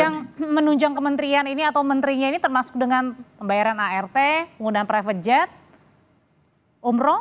jadi untuk menunjang kementerian ini atau menterinya ini termasuk dengan pembayaran art penggunaan private jet umroh